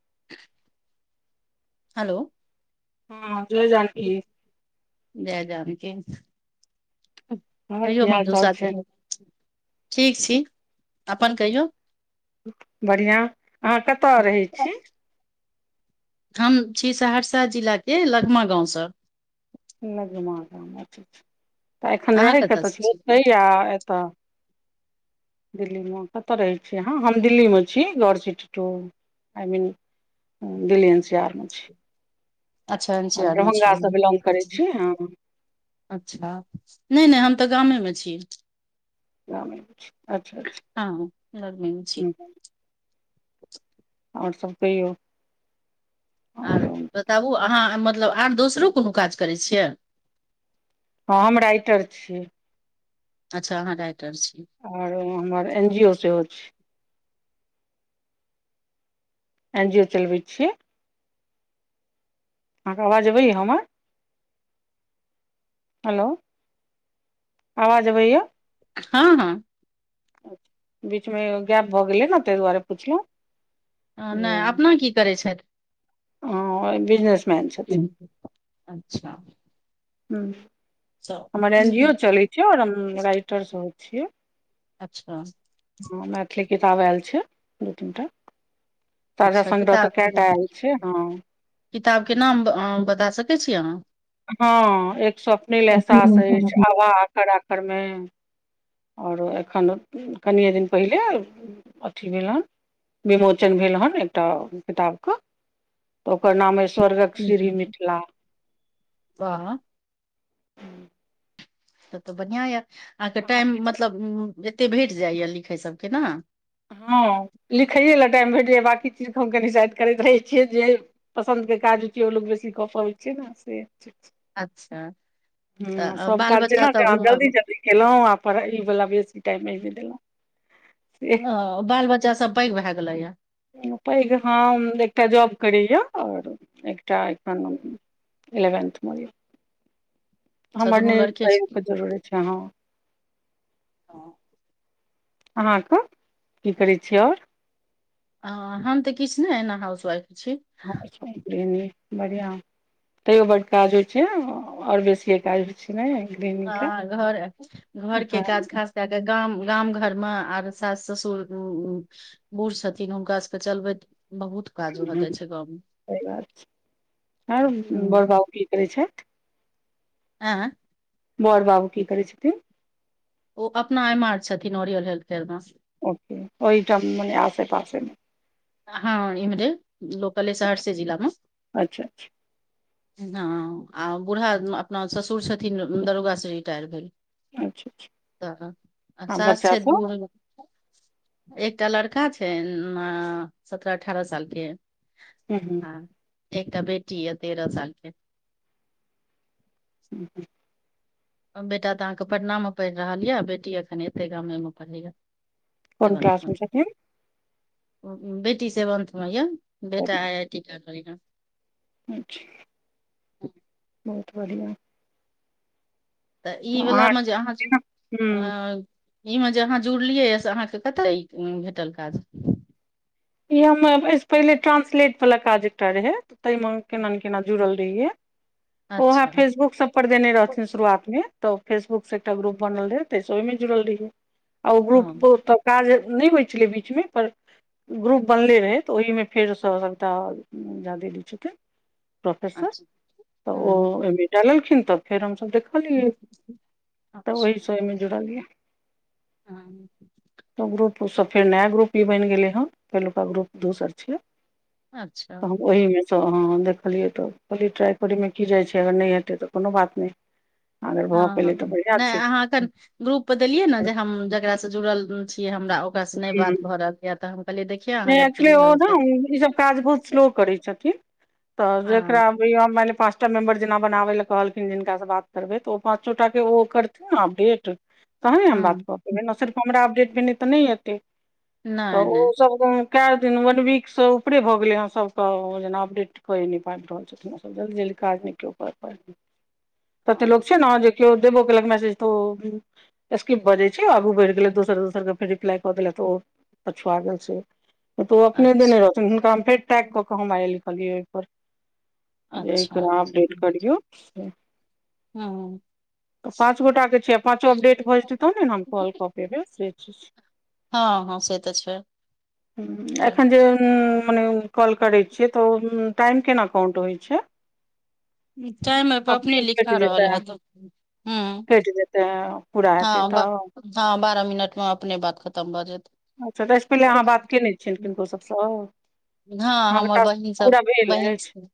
[unintelligible] Hello हँ ज जार की जय जानकी हमर कहियौ की हाल चाल हमदूसा छै ठीक छी अपन कहियौ बढ़िआँ अहाँ कतय रहैत छी हम छी सहरसा जिलाके लगमा गाँवसे लगमा गाव तऽ एखन अहाँ रहहिके कतऽ सँ तऽतै छी आ तऽ दिल्लीमे कतय रहै छीयै अहाँ हम दिल्लीमे छी गर city to I mean Delhi N C R म अच्छा एन सी आर मे छी बिलोंग करै छी हँ अच्छा नहि नहि हम तऽ गामेमे छी गामे छी। अच्छा अच्छा हँ लगमा मे छी हँ, आओर सभ कहियौ आओर तबू अहाँ मतलब आर दोसरो कोनो काज करै छियै हँ हम राइटर छियै अच्छा अहाँ राइटर छियै आर हमर एन जी ओ सेहो छै एन जी ओ चलबै छियै अहाँके आवाज अबैयै हमर हेलो आवाज अबैया हँ हँ बीचमे गैप भऽ गेलै ने ताहि दुआरे पुछलहुँ ह जे नहि अपना की करैत छथि अहाँ बिजनेसमैन छथिन अच्छा ह सब हमर एन जी ओ चलैत छै आओर हम राइटरसभ छियै अच्छा हँ मैथिली किताब आयल छै दू तीन टा ताजा अच्छा संग्रह तऽ क‌ए किताब टा आयल छै हँ किताब के नाम बता सकै छी अहाँ हँ एक स्व अपने ल एहसास अछि आवा आखड़ आखड़ मे आओरो एखन कनिेये दिन पहिले अथी भेल हन विमोचन भेल हेन एकटा किताबके तऽ ओकर नाम अय स्वर्गक सिरही मिथिला बाह त तऽ बढ़िआँ यए अहाँके अहाँ टाइम किछ मतलब एतेक भेट जाइए लिखैसभके ने हँ लिखैए लेलए टाइम भेटैए बाँकी चीजके हम कनी शायद करैत रहै छियै जे पसन्द के काज होय छै ओ लोग बेसी कैर पाबै छै ने से अच्छा तऽ हँ अ, सब बाल काज बच्चा जेना सब जल्दी जल्दी खेलहुँ आ पर इ वाला बेसी टाइम ए देलहुँ से ह बाल बच्चा सब पैघ भए गेलैए पैघ हम एकटा जॉब करैए आओर एकटा एखन इलेवेन्थ म अच्छा हमर दुनू लड़के तयो छै के जरूरी छै ह ह अहाँके की करै छी आओर हम तऽ किछु नहि एना हाउसवाइफ छी ह बढ़िया तैयो बड काज होइ छै और बेसीए काज नहि एकदिन ह घर घर के गाछ खास किये तऽ गाम गाम घर मे आर सास ससुर [unintelligible] बूढ़ छथिन हुनका सबके चलबैत बहुत काज भऽ ह जाइ छै गाँवमे स बात छै आरो हूँ बड़ बाबु की करै छथि आ बड़ बाबू की करै छथिन ओ अपना एम आर छथिन रियल हेल्थफयर मे ओ ओहिठाम मने आसे पासेमे हँ इम्हरे लोकले सहरसे जिलामे अच्छा अच्छा हँ आ बूढ़ा अपना ससुर छथिन दरोगास से रिटायर भेल अच्छा अच्छा तऽ आ सास बच्चा छै सब बूढ़ एकटा लड़का छनि अ सत्रह अठारह साल के हू ह ह एकटा बेटी यऽ तेरह साल के हूँ बेटा तऽ अहाँके पटनामे पढ़ि रहल यऽ बेटी एखन एते गामे पढ़ैय कोन क्लास मे छथिन बेटी सेवन्थ मे यऽ बेटा आइ आइ टी की कर अच्छा बहुत बढ़िआ तऽ ई वालामे जे अहाँ च केना अ हूँ ई मे जे अहाँ जुड़लियै य से अहाँके कतय भेटल काज ई हम एहिसँ पहिले ट्रांसलेटवला काज एकटा रहै ताहि मे केना नहि केना जुड़ल रहिये ओ अहा अच्छा फेसबुक सब पर देने ओ रहथिन शुरुआतमे तऽ फेसबुकसँ एकटा ग्रुप बनल रहै ताहिसँ ओहिमे जुड़ल रहियै आ ओ ग्रुप ओतऽ काज नहि होइ छलै बीचमे पर ग्रुप बनले रहै तऽ ओहिमे फेरसँ सभटा ज्यादे दै छथिन प्रोफेसर अच्छा तऽ हँ ओमे ड लेलखिन तऽ फेर हमस देख ल तऽ ओहि अच्छा सबहिमे जुड़लिय हँ तऽ ग्रुपसँ फेर नया ग्रुप भी बनि गेलै हँ पहिलुका ग्रुप दोसर छै अच्छा तऽ हम ओहिीमे त हँ देखलियै तऽ कहलियै ट्राइ करैमे की जाइ छै अगर नहि हेतै तऽ कोनो बात नहि अगर भऽ पेलै हँ तऽ बढ़िआँ नहि छै अहाँ कन ग्रुप परे देलियै ने जे हम जेकरा से जुड़ल छीिय हमरा ओकरास से नहि बात भए रहल य तऽ हम कहलियै देखियै अहाँ अगर एक्चुली फ्री ओ होबै ने तऽ ईसभ काज बहुत स्लो करै छथिन तऽ जेकरा हँ म प टा मेम्बर जेना बनाबे लए कहलखिन जिनका से बात करबै तऽ ओ पाँचोटा के ओ करथिन अपडेट तहने हम हँ बात कऽ देबै ने सिर्फ हमरा अपडेट भेने तऽ नहि एतै तऽ नहि नहि ओ कए दिन वन वीक से ऊपरे भऽ गेलै ह सबके जेना अपडेट क नहि पाबि रहल छथिन जल्दी जल्दी काज नहि केओ ततऽ लोक हँ छै ने जे के ओे दबोक केलेक मैसेज तो स्क्रिप बजे छै आगू बढ़ि गेल दोर दोसर के फे रिप्लाई क देले त ओ पछुआ गेल तऽ ओ अपने दने अच्छा रह हुनका हम फेर टैग कऽ के हम आयल छलाह एक अच्छा बेर अपडेट करियौ हँ ऽ पाँच गोटा के छै पाँचो अपडेट भऽ जेतै तौ ने कॉल क [unintelligible] हँ हँ से तऽ छ एखन जे मने कॉल करैत छियै तऽ ओ टाइम केना काउंट होइत छै [inaudible] टाइम पर अपने लिखा कटि रहल जेतै हत ह हँ कटि जेतै पूरा हेतै तऽ हँ बारह मिनटमे अपने बात खतम भऽ जेतै अच्छा तऽ एहिहिसँ पहिले अहाँ बात कयने छियनि किनको सभसँ हँ अहाँके हमर टास्क बहिन सब पूरा भेल बहिन अछि छी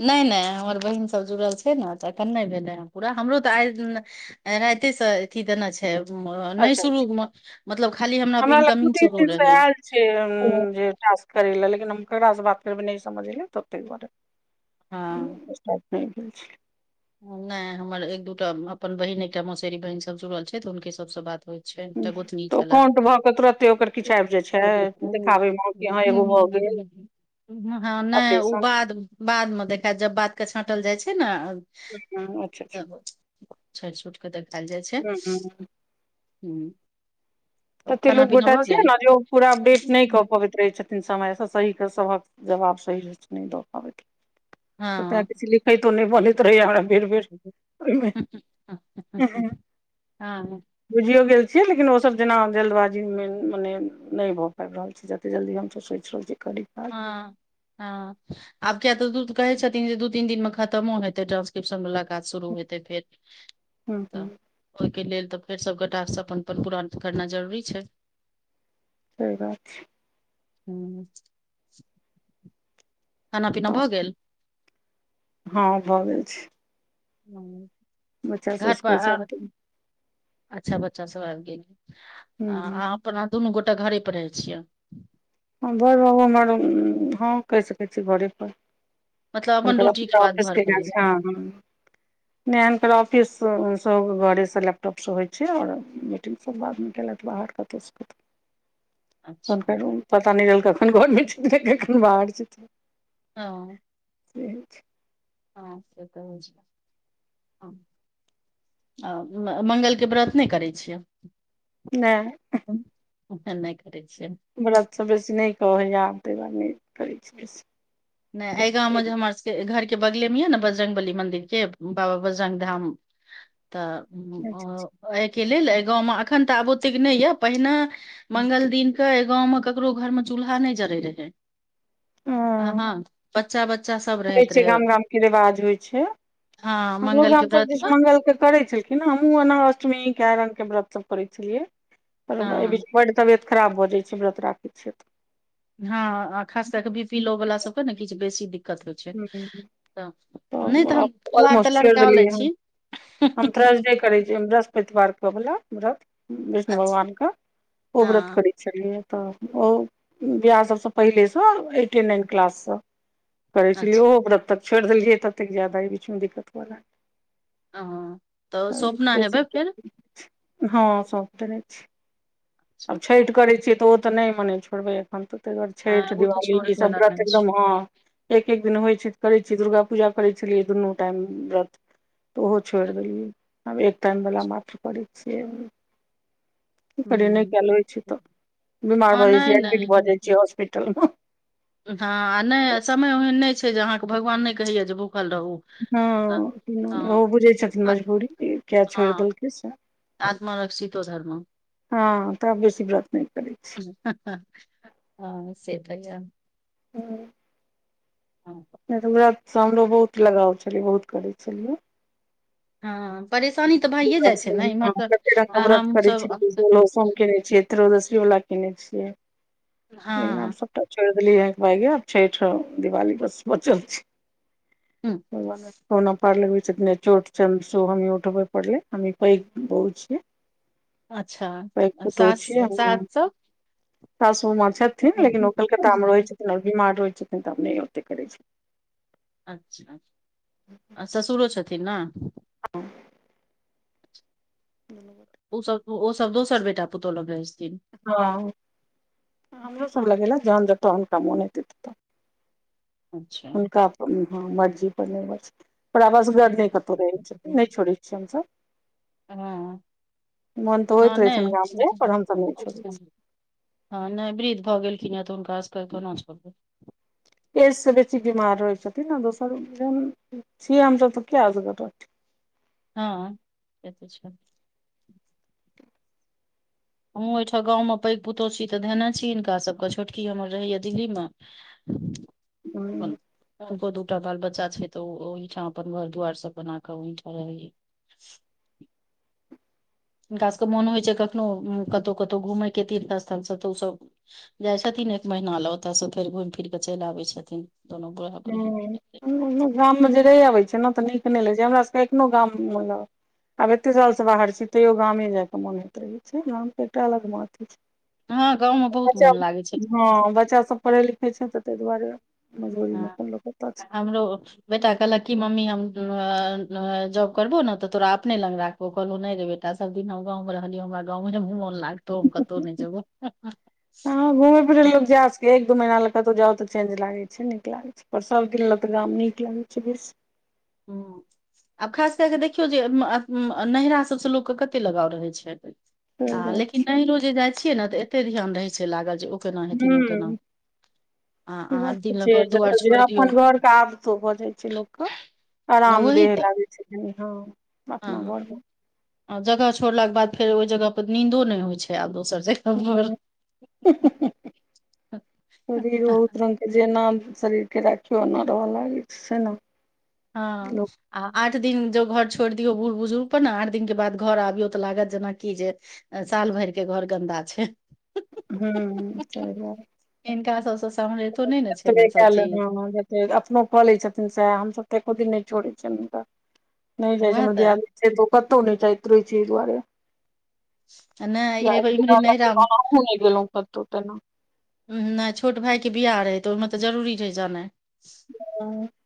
नहि नहि हमर बहिन सभ जुड़ल छै ने तऽ एखन नहि भेलै हे पूरा हमरो तऽ आइ राआते स अय अथी देना छै नहि अच्छा शुरू अच्छा मतलब खाली हमराप इनकमिंग सेहो रह कर लेकिन हमास बात भी नहि समझले ततेक ब हँ [unintelligible] नहि हमर एक दूटा अपन बहिन एकटा मौसेरी बहिन सब जुड़ल छै हुनके सबसँ बात होय तऽ ओ काउंट भऽ के तुरते ओकर किछु आबि जाय छै देखाबे मे कि यहाँ एगो भऽ गेल हँ नहि ओ ऑपरेशन बाद बादमे देखाय जब बातके छाँटल जाइ छै ने हँ अच्छा अच्छा तब छटि सुटके देखायल जाइ छै ह [inaudible] ततेक लोकग पीना गोटा भऽ छियै गेल ने जे पूरा अपडेट नहि कऽ पबैत रहै छथि हँ [unintelligible] क तो नहि बोल हमरा भीर भर ओहि हँ हँ बुझियओ ग गेल छिय लेकिन ओ सबब जेना जल्दबाजीमे मने नहि भऽ पाबि रहल छै जतेक जल्दी हमसब सोचि रहल छीै करी क ह ह आब किया तऽ दू कहे छथिन जे दू तीन दिन में खत्मो हेते ड ्रिप्शन मुलाकात शुरू हेतै फेर हूँ तऽ हूँ ओहिके लेल तऽ फेर सभ गोटँ अपन अपन पूरा करना जरूरी छै सही बात छै खाना पीना भऽ तऽ गेल हँ भऽ गेल छै बच्चा सब घार पर स्कुल आ से एतै अच्छा बच्चा सब आब गेल हूँ आ अपना दुनू गोटा घरे पर रहै छियै भरि बाबू हमर हँ कहि सकैत छी घरे परर मतलब अपन ड्यूटी के नकरा बाद घर ऑफिसके पर ग रहै ह ह पर ऑफिस घरे से लैपटॉप सब होय छै और [unintelligible] [inaudible] छियै। अच्छा पता नहि रहल कखन घरमे चित रहै कखन बाहर चित रहै हँ से हो छै हँ से तऽ होइज आ मगलके व्रत नहि करै छियै नहि ओहन नहि करै छियै व्रतसँ बेसी नहि कहैए आब ताहि दुआर नहि करैत छीै नहि एहि गाँव मे जे हमर सबके घरके बगले मे यऽ ने बजरङ्ंग बली मंन्दिर के बाबा बजरङ्ंग धाम तऽ एहिके लेल एहि गाँवमे एखन तऽ आब ओतेक नहि यए पहिने मंगल दििन के गाँंव मे ककरो घर मे चूल्हा नहि जरे रहय आ हँ बच्चा बच्चा सब होइ रहैत छै रहे गाम गाम के रिवाज होइ छै हँ हमरो मंगल के गाम सब व्रत दीस मे मंगल के करे छलखिन ना हमहुूँ एना अष्टमी कए रङ्गके व्रत सब करै छलियै परी हँ बड्ड तबियत खराब भऽ जाइ छै व्रत राखै छिय त हँ खास कए कऽ बी पीलो वला सबके ने किछु बेसी दिक्कत होइ छै तऽ हूँ त नहि तऽ हम ो त ऑलमोस्ट छोड़ लड़का लैत छी करे छै वृहस्पतिवार केवला व्रत विष्णु अच्छा भगवान के ओ व्रत हँ करे छै यै तऽ ओ विआह सबसँ पहिलेसँ एटे नाइन क्लाससँ करै छलिय अच्छा ओ तब तक छड़ देलियै तब तक जाादा ह बीचमे दिक्कत ह तऽ सपना हेबै फेर हँ सभ देने छी आब छठि करैत छियै तऽ ओ तऽ नहि मने छोड़बै हम तऽ तेर हँ छठ ओ तऽ दिवाली छोड़ै ई सब वला व्रत नहि छै एकदम ह एक एक दिन होइत छैऽ करै छियै दुर्गा पूजा करै छलियै दुनू टाइम व्रत तऽ ओहो छोड़ि देलियै आब एक टाइमवला मात्र करै छियै क कर नहि हूँ कयल होइ छै तऽ बीमार हँ भऽ जाइ नहि छै नहि एडमिट भऽ जाइ छै हॉस्पिटल मे हँ आ नहि समय ओहन नहि छै जे अहाँकेँ भगवान नहि कहैय जे भूखल रहू हँ त नहि ओहो बुझै छथिन मजबूरी किया छोड़ि देलकै से आत्म र्षितो धर्म हँ तब बेसी व्रत नहि करै छी हँ सेटाक हूँ हँ ओरा हमरो बहुत लगाव छलियै बहुत करै छलियै हँ परेशानी तऽ भइए जाइ छै ने इम्हर कते तऽ हमसभ कने छियै त्रोदशी वालला केने छियै लेकिन आ हँ सबटा छोड़ देली है भइ आब छठि दिवाली बस बत चल सना पारलेबैितने चोट छै हम सो हमी उठबै पढ़ल हमी पै बहु छिय अच्छा सात सात सए सासु मां छथिन लेकिन ओ कलकत्ता मे रहै छै बीमार होइ छैन तऽ अपने ओते करै छी अच्छा आ ससुरो छथिन ने ह [inaudible] ओसभ ओ सभ दोसर बेटा पुतौह लग रहै छथिन हँ हमरो सब लग एला जहन जतऽत हुनका मुन हेतऽते अच्छा हुनका हँ मर्जी प निर्भर छै पर आवस गर्द नहि कतहु रहै छथिन नहि छोड़ै छियै हमसभ हँ मोन तऽ होइत हँ रहै छनि नहि गामके पर हमसभ नहि छोड़ैत छिय हँ नहि वृद्ध भऽ गेलखिन तऽ हुनका असगर केना छोरबै एज से बेसी बीमार रहै छथिन ने दोसर छिय हमसभ त किया हँ से तऽ [inaudible] हमहूँ अहिठन गाँवमे पैघ पुतहु छी तऽ धयने छी हिनका सभके छोटकी हमर रहैए दिल्लीमे हूँ [unintelligible] हुनको दूटा बाल बच्चा छै तऽ ओ ओहिठाम अपन घर दुआइर सब बनाक ओहिठाम रहैय हुनका सभके मोन होइ छै कखनो कतहु कतहु घुमयके तीर्थ स्थलसँ तऽ ओसभ जाइ छथिन एक महीना लए ओतयसँ फेर घुमि फिर केऽ चलि आबै छथिन दुनू बूढ़ा बुढ़ी ह गाममे जे रहि अबैत छै ने तऽ नीक नहि लै छै हमरा सभके एखनो गाम मतल आब एते साल से बाहर छी तैयो गामे जाय के मोन होइत रहे छै गाम के एकटा अलग मथ छै हँ गाँव मे बहुत बच्चा मोन लागै छै हँ बच्चासभ पढ़ै लिखै छै तऽ ताहि दुआरे हँ [unintelligible] [unintelligible] हमरो बेटा कहलक कि मम्मी हम जॉब करबो ने तऽ तोरा अपने लग राख ओ कहलहु नहि रे बेटा सब दिन हम गाँवमे रहलिय हमरा गाँवमे मोन लागतौ हम कतहु नहि जेबो हँ घूमेय फिर लोग जा सक एक दू मही ल कतहु जाउ तऽ चेंज लागे छै नीक लाग छै पररसाव किला तऽ गाम नीक लागै छै बस हू आब खास कए कऽ देखियौ जे नैरा सबसँ लोकके कते लगाव रहैत छै आ लेकिन नेहरो जे जाइत छियै ने तऽ एतेक ध्यान रहैत छै लागल जे ओ केना हेथिन ओ केना हूँ आ ई अ बात तऽ दिन छै ल जतऽ दुआरि जे छोड़ दियऔ अपन घर के आदतो भऽ जाइ छै लोकके आ वही आरामदह तऽ लागै छै कनी हँ अपना हँ घर मे जगह छोड़लाक के बाद फेर ओहि जगह पर नींदो नहि होइ छै आब दोसर ज [unintelligible] जेना शरीर के राखियौ ओना रहऽ लागैत छै सेना हँ आ आठ दिन जो घर छोड़ि दियौ बुढ़ बुजुर्ग पर ने आठ दिन के बाद घर आबियौ तऽ लागत जेनाकि जे साल भरि के घर गन्दा छै हू हिनका सबस समरैतो नहि ने छै ने कैल सबचीज हँ अपनो कऽ लै छथिन सएह हमसभ तऽ एको दिन नहि छोड़ैत छियनि हुनका नहि जाइ उएह तऽ छनिाद दुोखत हो नहि चाही तू ई चीज बारे आ नहि हे इम्हरे नहिरामे [unintelligible] नहि छोट भाायके बिआाह रहै तऽ ओहिमे तऽ जरूरी रहै जेनइ [inaudible]